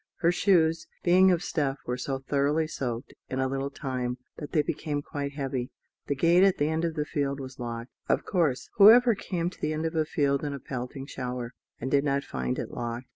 Her shoes, being of stuff, were so thoroughly soaked, in a little time, that they became quite heavy. The gate at the end of the field was locked, of course; who ever came to the end of a field in a pelting shower, and did not find it locked?